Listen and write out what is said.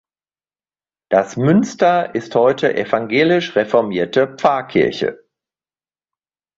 Das Münster ist heute evangelisch-reformierte Pfarrkirche.